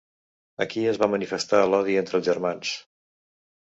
Aquí es va manifestar l'odi entre els germans.